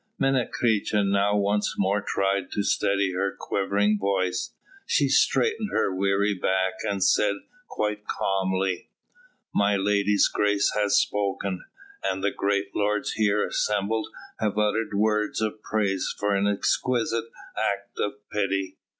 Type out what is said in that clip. Menecreta now once more tried to steady her quivering voice; she straightened her weary back and said quite calmly: "My lady's grace has spoken, and the great lords here assembled have uttered words of praise for an exquisite act of pity.